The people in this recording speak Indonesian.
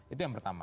itu yang pertama